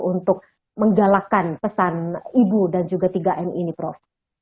untuk menggalakkan pesan ibu dan juga tiga m ini prof